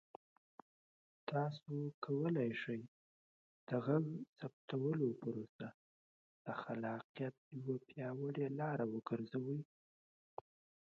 تاسو کولی شئ د غږ ثبتولو پروسه د خلاقیت یوه پیاوړې لاره وګرځوئ.